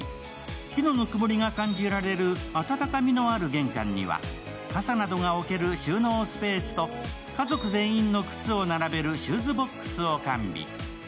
木のぬくもりが感じられる温かみのある玄関には傘などが置ける収納スペースと家族全員の靴を並べるシューズボックスを完備。